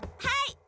はい！